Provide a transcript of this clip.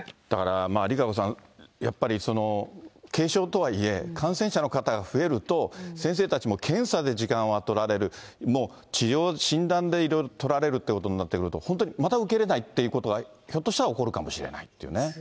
だから、ＲＩＫＡＣＯさん、やっぱり軽症とはいえ、感染者の方が増えると、先生たちも検査で時間は取られる、もう治療、診断でいろいろ取られるってことになってくると、本当にまた受けれないということがひょっとしたら起こるかもしれないというね。